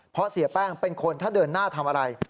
เพราะเสียแป้งเป็นคนถ้าเดินหน้าทำอะไร